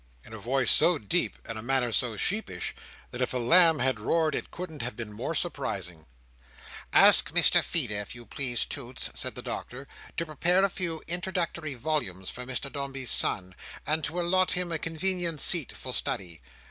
in a voice so deep, and a manner so sheepish, that if a lamb had roared it couldn't have been more surprising. "Ask Mr Feeder, if you please, Toots," said the Doctor, "to prepare a few introductory volumes for Mr Dombey's son, and to allot him a convenient seat for study.